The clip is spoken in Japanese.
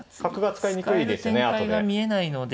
使える展開が見えないので。